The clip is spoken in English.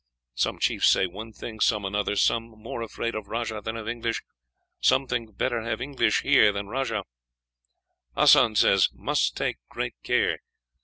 Some chiefs say one thing, some another. Some more afraid of rajah than of English; some think better have English here than rajah. "Hassan says must take great care.